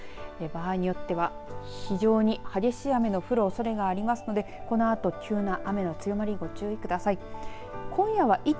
場合によっては非常に激しい雨の降るおそれがありますのでこのあと急な雨の強まりご注意ください。